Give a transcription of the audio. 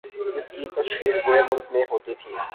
اس کی تشہیر پورے ملک میں ہوتی تھی۔